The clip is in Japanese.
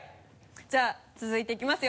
じゃあ続いていきますよ。